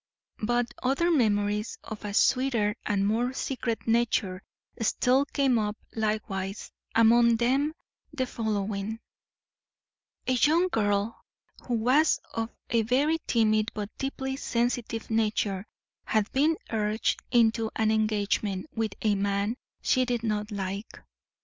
But other memories of a sweeter and more secret nature still came up likewise, among them the following: A young girl, who was of a very timid but deeply sensitive nature, had been urged into an engagement with a man she did not like.